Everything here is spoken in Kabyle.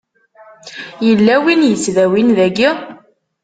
Yella win yettdawin dagi?